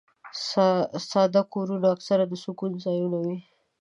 ساده کورونه اکثره د سکون ځایونه وي.